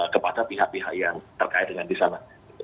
kepada pihak pihak yang terkait dengan di sana